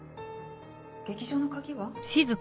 劇場の鍵は？